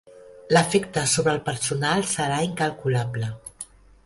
L'efecte sobre el personal serà incalculable.